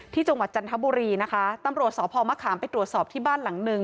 จังหวัดจันทบุรีนะคะตำรวจสพมะขามไปตรวจสอบที่บ้านหลังนึง